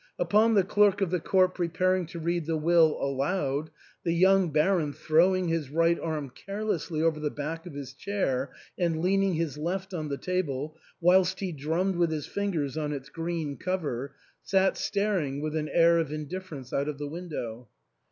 Upon the clerk of the court preparing to read the will aloud, the young Baron, throwing his right arm carelessly over the back of his chair and leaning his left on the table, whilst he drummed with his fingers on its green cover, sat staring with an air of indifference out of the window.